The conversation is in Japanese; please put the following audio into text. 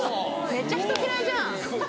・めっちゃ人嫌いじゃん